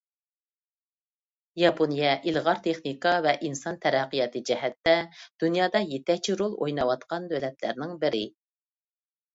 ياپونىيە — ئىلغار تېخنىكا ۋە ئىنسان تەرەققىياتى جەھەتتە دۇنيادا يېتەكچى رول ئويناۋاتقان دۆلەتلەرنىڭ بىرى.